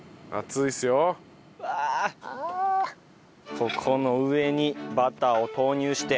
ここの上にバターを投入して。